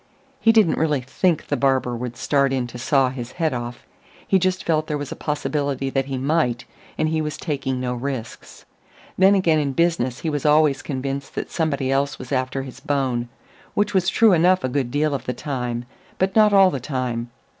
He didn't really think the barber would start in to saw his head off; he just felt there was a possibility that he might, and he was taking no risks. Then again in business he was always convinced that somebody else was after his bone which was true enough a good deal of the time; but not all the time.